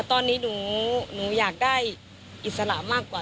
ตอนนี้หนูอยากได้อิสระมากกว่า